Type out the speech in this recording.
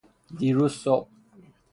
دیروز صبح